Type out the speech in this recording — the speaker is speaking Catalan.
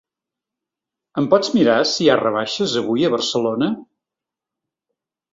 Em pots mirar si hi ha rebaixes avui a Barcelona?